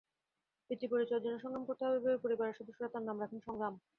পিতৃপরিচয়ের জন্য সংগ্রাম করতে হবে ভেবে পরিবারের সদস্যরা তার নাম রাখেন সংগ্রাম।